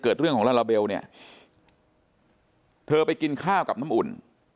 เรื่องของลาลาเบลเนี่ยเธอไปกินข้าวกับน้ำอุ่น